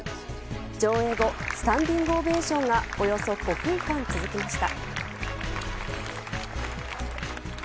上映後スタンディングオベーションがおよそ５分間続きました。